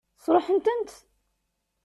Sṛuḥent-tent?